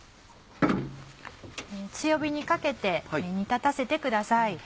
強火にかけて煮立たせてください。